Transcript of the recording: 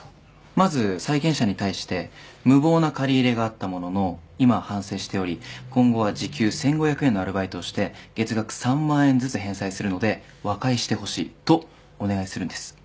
まず債権者に対して「無謀な借り入れがあったものの今は反省しており今後は時給１５００円のアルバイトをして月額３万円ずつ返済するので和解してほしい」とお願いするんです。